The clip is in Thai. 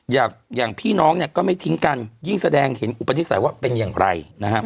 อย่างพี่น้องเนี่ยก็ไม่ทิ้งกันยิ่งแสดงเห็นอุปนิสัยว่าเป็นอย่างไรนะครับ